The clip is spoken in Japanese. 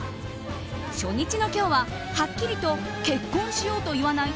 初日の今日ははっきり「結婚しよう」と言わない